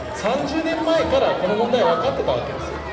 ３０年前からこの問題、分かってたわけですよ。